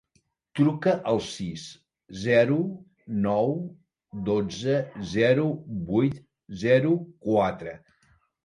Truca al sis, zero, nou, dotze, zero, vuit, zero, quatre.